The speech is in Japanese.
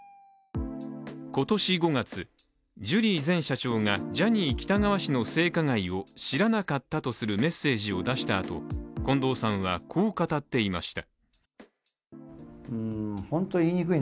今年５月、ジュリー前社長がジャニー喜多川氏の性加害を知らなかったとするメッセージを出したあと近藤さんは、こう語っていました。